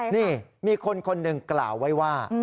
นี่มีคนคนหนึ่งกล่าวไว้ว่า